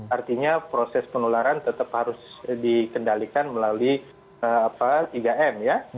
artinya proses penularan tetap harus dikendalikan melalui tiga m ya